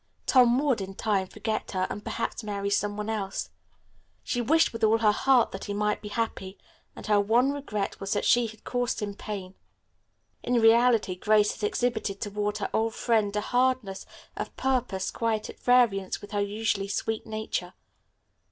Tom would, in time, forget her and perhaps marry some one else. She wished with all her heart that he might be happy, and her one regret was that she had caused him pain. In reality Grace had exhibited toward her old friend a hardness of purpose quite at variance with her usually sweet nature.